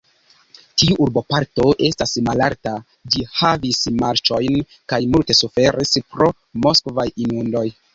Tiu urboparto estas malalta; ĝi havis marĉojn kaj multe suferis pro moskvaj inundoj.